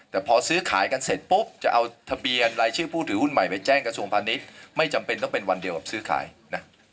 แต่พอซื้อขายกันเสร็จปุ๊บจะเอาทะเบียนรายชื่อผู้ถือหุ้นใหม่ไปแจ้งกระทรวงพาณิชย์ไม่จำเป็นต้องเป็นวันเดียวกับซื้อขายนะ